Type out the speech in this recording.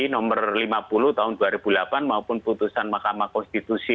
nomor lima puluh tahun dua ribu delapan maupun putusan mahkamah konstitusi